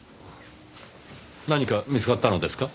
何か見つかったのですか？